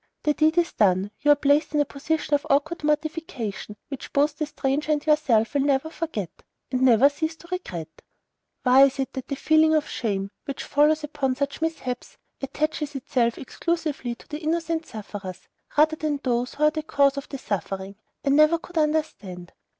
The deed is done; you are placed in a position of awkward mortification, which both the stranger and yourself will never forget, and never cease to regret. Why it is that the feeling of shame which follows upon such mishaps attaches itself exclusively to the innocent sufferers, rather than to those who are the cause of the suffering, I never could understand.